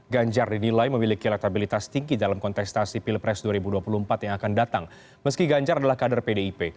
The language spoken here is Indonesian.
ganjar dinilai memiliki elektabilitas tinggi dalam kontestasi pilpres dua ribu dua puluh empat yang akan datang meski ganjar adalah kader pdip